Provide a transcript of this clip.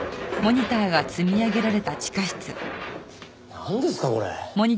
なんですかこれ！